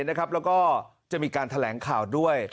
แล้วก็จะมีการแถลงข่าวด้วย